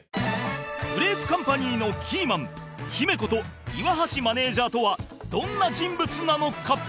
グレープカンパニーのキーマン「ヒメ」こと岩橋マネジャーとはどんな人物なのか？